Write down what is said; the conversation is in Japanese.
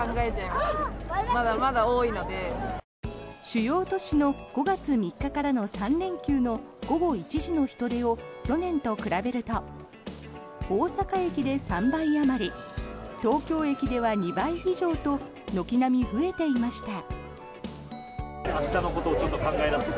主要都市の５月３日からの３連休の午後１時の人出を去年と比べると大阪駅で３倍あまり東京駅では２倍以上と軒並み増えていました。